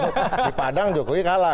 di padang jokowi kalah